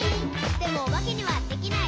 「でもおばけにはできない。」